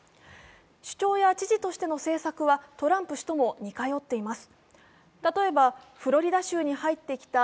主張や、知事としての政策はトランプ氏とも似通っています。